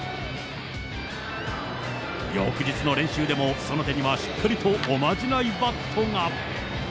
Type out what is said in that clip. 翌日の練習でもその手にはしっかりとおまじないバットが。